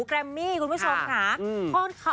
แรมมี่คุณผู้ชมค่ะ